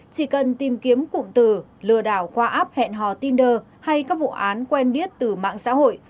chỉ cần tìm kiếm cụm từ lừa đảo qua app hẹn hò tinder hay các vụ án quen biết từ mạng xã hội